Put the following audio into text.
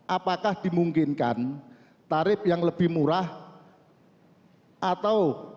apakah dimungkinkan tarif yang lebih murah pilih dari ump yang sudah berhasil nongkrong ke bpn